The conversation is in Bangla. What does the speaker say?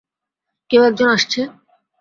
কেউ একজন আসছে?